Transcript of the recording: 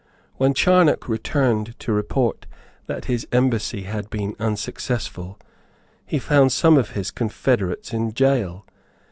When Charnock returned to report that his embassy had been unsuccessful, he found some of his confederates in gaol.